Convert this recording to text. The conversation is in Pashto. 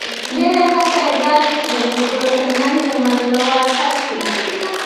ډېره هڅه یې دا وي چې د ملګرو ترمنځ د منلو وړ کس شي.